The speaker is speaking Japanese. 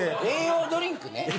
栄養ドリンクね。